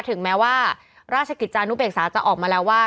ถึงแม้ว่าราชกิจจานุเบกษาจะออกมาแล้วว่า